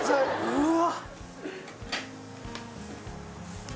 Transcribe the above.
うわ！